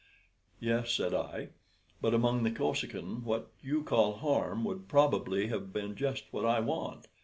"Yes," said I; "but among the Kosekin what you call harm would probably have been just what I want.